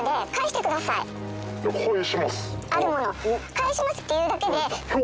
「返します」って言うだけで。